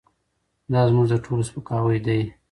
دا زموږ د ټولو سپکاوی دی.